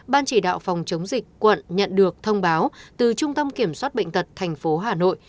ban chỉ đạo phòng chống dịch quận nhận được thông báo từ trung tâm kiểm soát bệnh tật tp hà nội